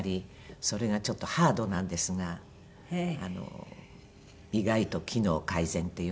それがちょっとハードなんですが意外と機能改善っていうのが。